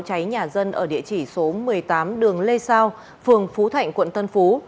cháy nhà dân ở địa chỉ số một mươi tám đường lê sao phường phú thạnh quận tân phú